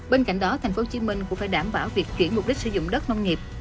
bên cạnh đó tp hcm cũng phải đảm bảo việc chuyển mục đích sử dụng đất nông nghiệp